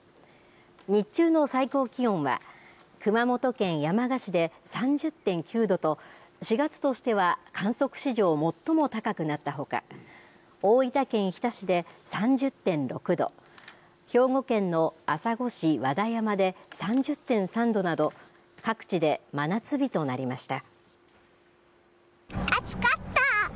日中の最高気温は熊本県山鹿市で３０．９度と４月としては観測史上最も高くなったほか大分県日田市で３０．６度兵庫県の朝来市和田山で３０．３度など、各地で真夏日となりました。